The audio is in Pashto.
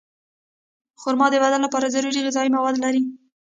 خرما د بدن لپاره ضروري غذایي مواد لري.